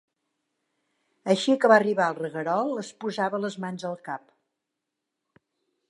Així que va arribar al reguerol es posava les mans al cap